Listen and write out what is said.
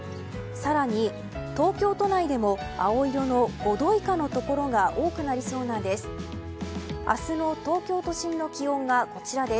更に、東京都内でも青色の５度以下のところが多くなりそうなんです。